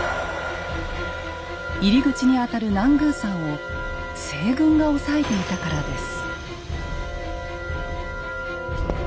入り口にあたる南宮山を西軍が押さえていたからです。